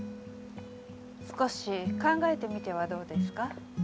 少し考えてみてはどうですか？